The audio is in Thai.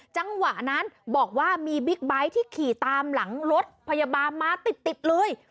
จังหวะนั้นบอกว่ามีบิ๊กไบท์ที่ขี่ตามหลังรถพยาบาลมาติดเลย